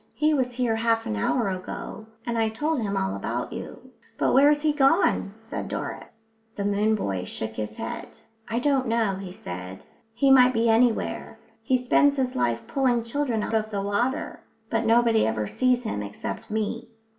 He was here half an hour ago, and I told him all about you." "But where's he gone?" said Doris. The moon boy shook his head. "I don't know," he said. "He might be anywhere. He spends his life pulling children out of the water. But nobody ever sees him except me."